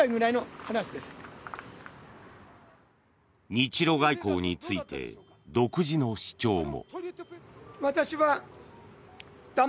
日ロ外交について独自の主張も。